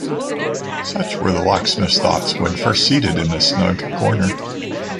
Such were the locksmith's thoughts when first seated in the snug corner.